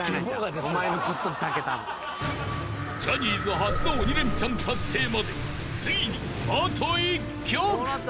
［ジャニーズ初の鬼レンチャン達成までついにあと１曲］